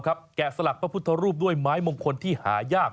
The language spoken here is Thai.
แกะสลักพระพุทธรูปด้วยไม้มงคลที่หายาก